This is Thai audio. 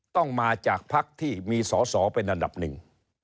ต้องมาจากพักที่มีสอสอเป็นอันดับหนึ่ง